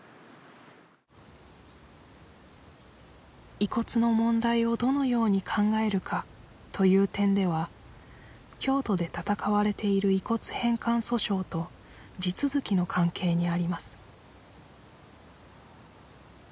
遺骨の問題をどのように考えるかという点では京都で闘われている遺骨返還訴訟と地続きの関係にあります